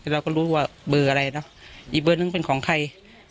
เราก็รู้ว่าเบอร์อะไรเนอะอีกเบอร์นึงเป็นของใคร